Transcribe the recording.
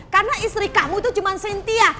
karena istri kamu tuh cuman sintia